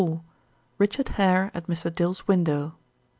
RICHARD HARE AT MR. DILL'S WINDOW.